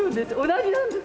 同じなんです。